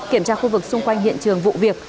kiểm tra khu vực xung quanh hiện trường vụ việc